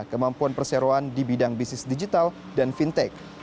kemampuan perseroan di bidang bisnis digital dan fintech